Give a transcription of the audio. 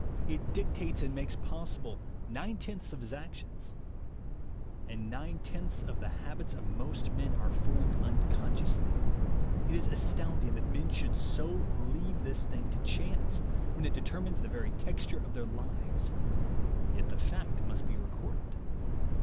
It dictates and makes possible nine tenths of his actions. Amd nine tenths of the habits of most men are formed unconsciously. It is astounding that men should so leave this thing to chance, when it determines the very texture of their lives ; yet the fact must be recorded.